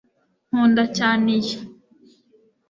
nkunda cyane iyi